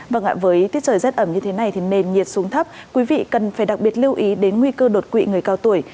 vâng ạ với tiết trời rét ẩm như thế này thì nền nhiệt xuống thấp quý vị cần phải đặc biệt lưu ý đến nguy cơ đột quỵ người cao tuổi